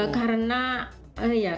karena luka itu